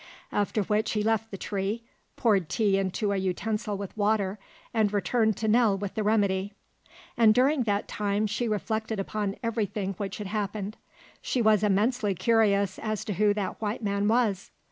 After which he left the tree, poured tea into a utensil with water, and returned to Nell with the remedy. And during that time she reflected upon everything which had happened. She was immensely curious as to who that white man was.